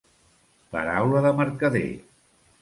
Paraula de mercader.